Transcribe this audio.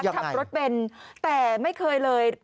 ขับรถเบนแต่ไม่เคยเลย